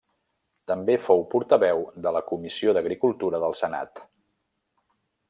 També fou portaveu de la Comissió d'Agricultura del Senat.